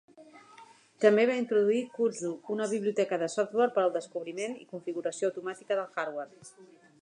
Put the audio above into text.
També va introduir Kudzu, una biblioteca de software per al descobriment i configuració automàtica del hardware.